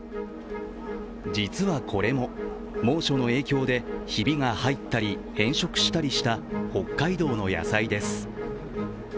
実はこれも、猛暑の影響でひびが入ったり変色したりした、北海道の野菜です。